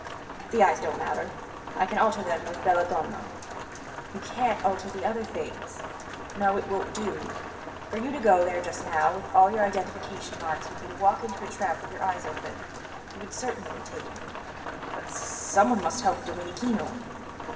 "The eyes don't matter; I can alter them with belladonna." "You can't alter the other things. No, it won't do. For you to go there just now, with all your identification marks, would be to walk into a trap with your eyes open. You would certainly be taken." "But s s someone must help Domenichino."